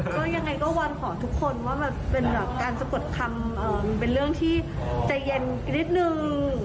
ก็ยังไงก็วอนขอทุกคนว่ามันเป็นแบบการสะกดคำเป็นเรื่องที่ใจเย็นนิดนึง